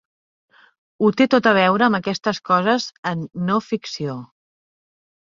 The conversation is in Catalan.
Ho té tot a veure amb aquestes coses en no-ficció.